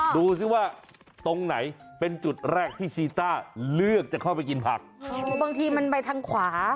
ดูซิว่าตรงไหนเป็นจุดแรกที่ชีตาเลือกจะเข้าไปกินผัก